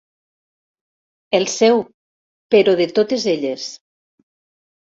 El seu, però de totes elles.